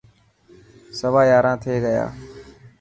سوا ياران ٿي گيا.